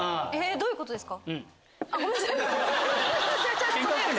どういうことですか？